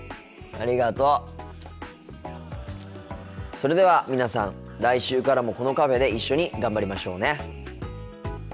それでは皆さん来週からもこのカフェで一緒に頑張りましょうね。